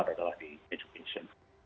nomor satu adalah di education